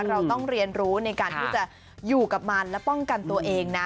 เราต้องเรียนรู้ในการที่จะอยู่กับมันและป้องกันตัวเองนะ